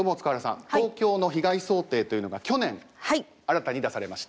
東京の被害想定というのが去年新たに出されました。